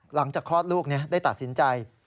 หลังจากคลอดลูกได้ตัดสินใจ